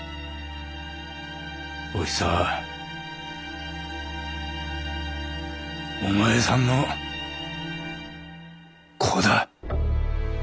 おひさはお前さんの子だ。